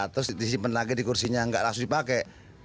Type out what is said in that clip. terus disimpan lagi di kursinya nggak langsung dipakai